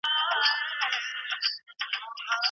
د انسانانو له سپکاوي څخه په کلکه ډډه وکړئ.